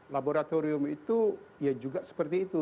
laboratorium itu ya juga seperti itu